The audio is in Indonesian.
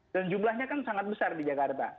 dan jumlahnya kan sangat besar di jakarta